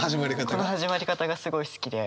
この始まり方がすごい好きで。